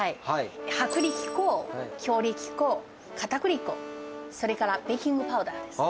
薄力粉、強力粉、かたくり粉、それからベーキングパウダーです。